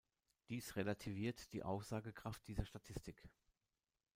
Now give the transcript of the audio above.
Dies relativiert die Aussagekraft dieser Statistik.